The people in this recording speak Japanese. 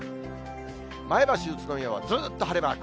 前橋、宇都宮は、ずっと晴れマーク。